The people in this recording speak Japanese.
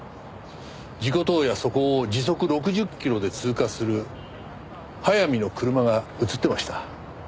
事故当夜そこを時速６０キロで通過する早見の車が映ってました。